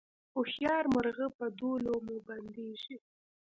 هوښیار مرغه په دوو لومو بندیږي